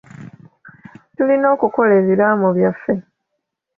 Tulina okukola ebiraamo byaffe.